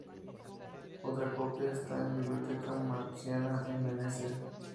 Otra copia está en Biblioteca Marciana en Venecia.